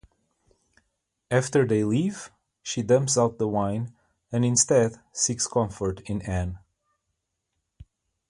After they leave she dumps out the wine and instead seeks comfort in Ann.